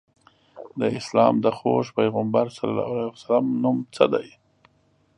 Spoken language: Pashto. د اسلام د خوږ پیغمبر ص نوم څه دی؟